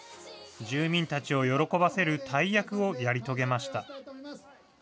住民たちを喜ばせる大役をやり遂げました。